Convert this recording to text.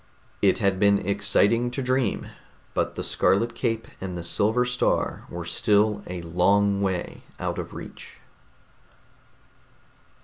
It had been exciting to dream, but the scarlet cape and the silver star were still a long way out of reach.